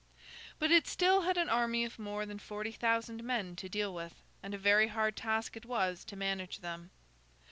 But, it still had an army of more than forty thousand men to deal with, and a very hard task it was to manage them.